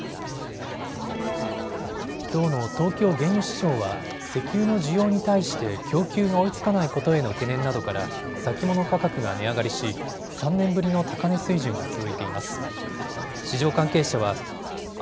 きょうの東京原油市場は石油の需要に対して供給が追いつかないことへの懸念などから先物価格が値上がりし、３年ぶりの高値水準が続いています。